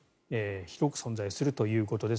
広く存在するということです。